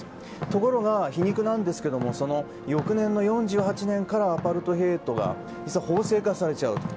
ところが、皮肉なんですが翌年の４８年からアパルトヘイトが法制化されちゃうと。